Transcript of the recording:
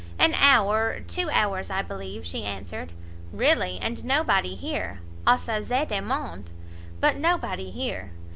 "An hour, two hours, I believe," she answered. "Really? and nobody here! assez de monde, but nobody here!